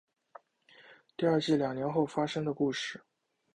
第二季两年后发生的故事。